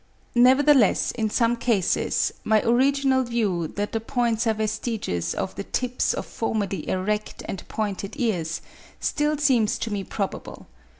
Nevertheless in some cases, my original view, that the points are vestiges of the tips of formerly erect and pointed ears, still seems to me probable.